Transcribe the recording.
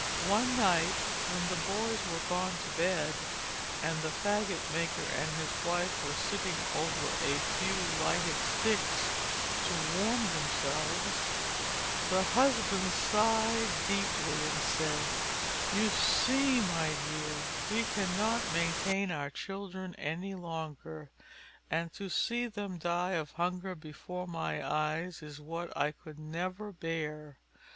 One night when the boys were gone to bed, and the faggot maker and his wife were sitting over a few lighted sticks, to warm themselves, the husband sighed deeply, and said, "You see, my dear, we cannot maintain our children any longer, and to see them die of hunger before my eyes is what I could never bear.